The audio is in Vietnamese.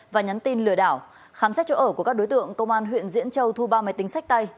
và nhắn tin lừa đảo khám xét chỗ ở của các đối tượng công an huyện diễn châu thu ba máy tính sách tay